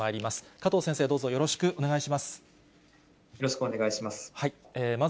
加藤先生、どうぞよろしくお願いよろしくお願いします。